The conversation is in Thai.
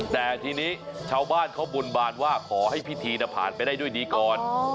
แต่ทีนี้ชาวบ้านเขาบนบานว่าขอให้พิธีผ่านไปได้ด้วยดีก่อน